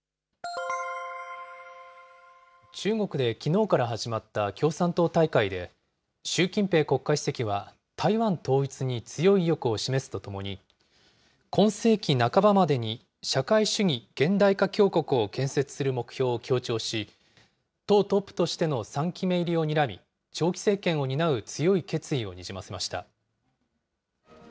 中国できのうから始まった共産党大会で、習近平国家主席は、台湾統一に強い意欲を示すとともに、今世紀半ばまでに社会主義現代化強国を建設する目標を強調し、党トップとしての３期目入りをにらみ、長期政権を担う強い決意をにじませました。